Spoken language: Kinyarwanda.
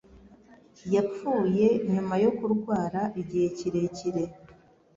Yapfuye nyuma yo kurwara igihe kirekire.